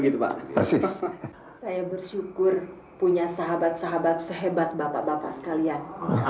dan begitu pak saya bersyukur punya sahabat sahabat sehebat bapak bapak sekalian